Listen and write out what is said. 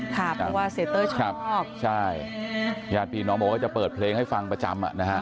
ครับเพราะว่าเสียเต้ยชอบใช่พี่หาดปีน้องบอกว่าจะเปิดเพลงให้ฟังประจำ